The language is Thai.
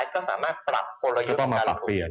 ก็ต้องปรับเปลี่ยน